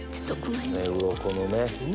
うろこのね。